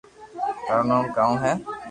ٿارو نوم ڪاؤ ھي